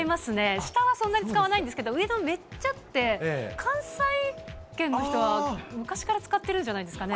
下はそんなに使わないんですけど、上のめっちゃって、関西圏の人は昔から使ってるんじゃないですかね。